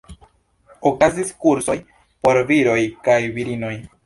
Okazis kursoj por viroj kaj virinoj.